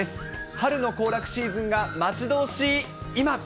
春の行楽シーズンが待ち遠しい今。